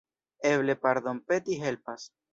Eble pardonpeti helpas.